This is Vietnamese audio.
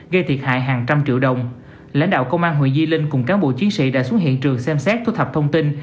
gây thiệt hại hàng trăm triệu đồng lãnh đạo công an huyện di linh cùng cán bộ chiến sĩ đã xuống hiện trường xem xét thu thập thông tin